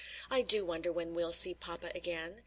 I do wonder when we'll see papa again."